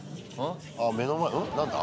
あ、目の前何だ？